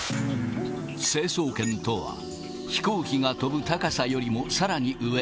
成層圏とは、飛行機が飛ぶ高さよりもさらに上。